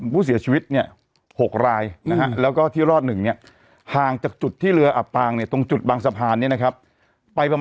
เพราะเรืออับปางเสร็จตรงจุดนั้นเนี่ยนะคะ